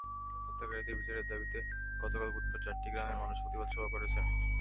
হত্যাকারীদের বিচারের দাবিতে গতকাল বুধবার চারটি গ্রামের মানুষ প্রতিবাদ সভা করেছেন।